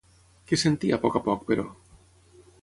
Què sentia a poc a poc, però?